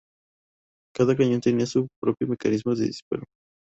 Cada cañón tenía su propio mecanismo de disparo.